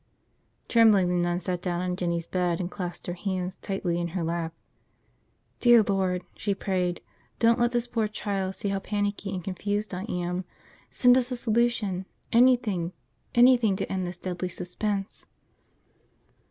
... Trembling, the nun sat down on Jinny's bed and clasped her hands tightly in her lap. Dear Lord, she prayed, don't let this poor child see how panicky and confused I am! Send us a solution ... anything ... anything to end this deathly suspense!